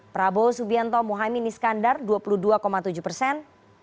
prabowo subianto muhamim niskandar dua puluh dua tujuh persen